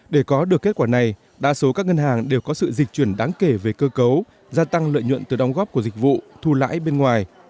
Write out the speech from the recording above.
để có được kết quả này đa số các ngân hàng đều có sự dịch chuyển đáng kể về cơ cấu gia tăng lợi nhuận từ đóng góp của dịch vụ thu lãi bên ngoài